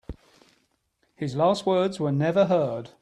His last words were never heard.